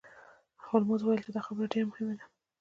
هولمز وویل چې دا خبره ډیره مهمه ده.